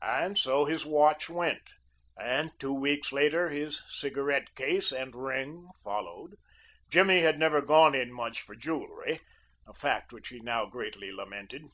And so his watch went, and two weeks later his cigarette case and ring followed. Jimmy had never gone in much for jewelry a fact which he now greatly lamented.